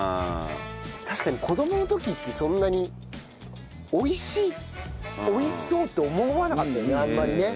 確かに子供の時ってそんなに美味しい美味しそうって思わなかったよね